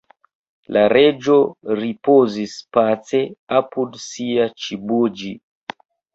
La Reĝo ripozis pace apud sia _ĉibuĝi_.